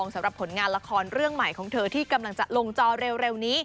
สำหรับผลงานละครเรื่องใหม่ของเธอที่กำลังจะลงจอเร็วนี้